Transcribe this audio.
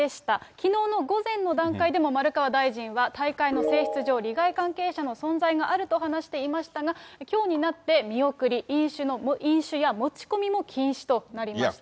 きのうの午前の段階でも、丸川大臣は、大会の性質上、利害関係者の存在があると話していましたが、きょうになって、見送り、飲酒や持ち込みも禁止となりました。